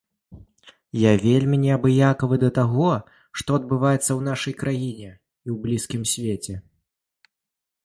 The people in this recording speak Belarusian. Я вельмі неабыякавы да таго, што адбываецца ў нашай краіне і ў блізкім свеце.